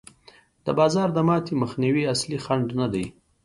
د بازار د ماتې مخنیوی اصلي خنډ نه دی.